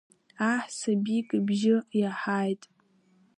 Аҳ сабик ибжьы иаҳаит.